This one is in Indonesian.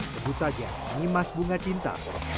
sebut saja nimas bunga cinta